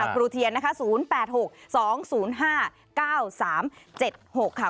ครูเทียนนะคะ๐๘๖๒๐๕๙๓๗๖ค่ะ